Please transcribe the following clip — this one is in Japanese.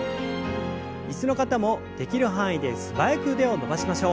椅子の方もできる範囲で素早く腕を伸ばしましょう。